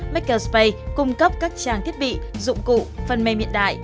makerspace cung cấp các trang thiết bị dụng cụ phần mềm hiện đại